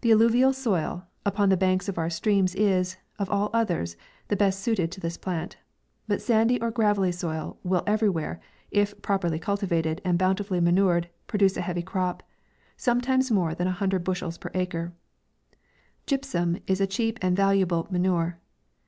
The alluvial soil, upon the banks of our streams is, of all others, the best suited to this plant ; but sandy or gravelly soil will every where, if properly cultivated and bountifully manured, produce a heavy crop — sometimes more than an hun dred bushels per acre. In some places upon land of this kind, gypsum is a cheap and valu able manure.